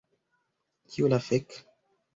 Kio la fek'?